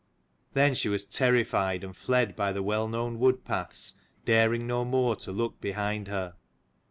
Then she was terrified and fled by the well known wood paths, daring no more to look behind her.